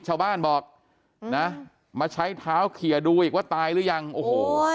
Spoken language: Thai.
ชาวบ้านบอกนะมาใช้เท้าเคลียร์ดูอีกว่าตายหรือยังโอ้โห